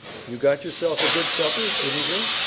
You got yourself a good supper, didn't you?"